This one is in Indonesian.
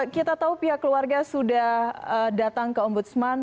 kita tahu pihak keluarga sudah datang ke ombudsman